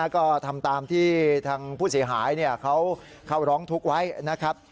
ก็ทำตามที่ทางผู้เสียหายเขาเข้าร้องทุกข์ไว้นะครับ